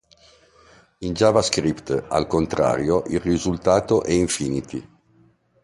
In JavaScript, al contrario, il risultato è Infinity.